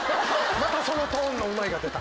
またそのトーンの「うまい」出た。